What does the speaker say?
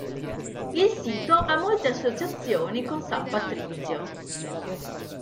Il sito ha molte associazioni con San Patrizio.